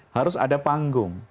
harus ada panggung